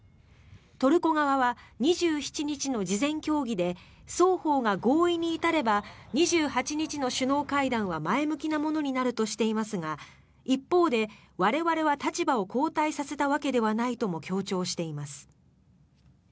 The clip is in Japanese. トルコ側は２７日の事前協議で双方が合意に至れば２８日の首脳会談は前向きなものになるとしていますが一方で、我々は立場を後退させたわけではないとも強調しています。